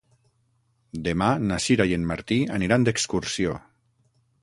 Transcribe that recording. Demà na Sira i en Martí aniran d'excursió.